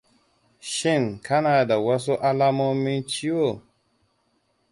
shin kana da wasu alamomi ciwo?